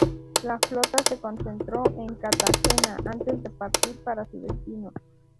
La flota se concentró en Cartagena antes de partir para su destino.